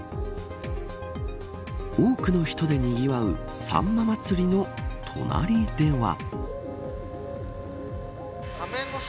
多くの人でにぎわうさんま祭の隣では。